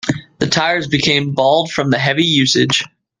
The tires became bald from heavy usage.